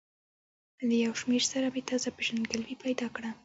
له یو شمېر سره مې تازه پېژندګلوي پیدا شوه.